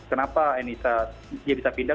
kenapa chem ain issa bisa sepindah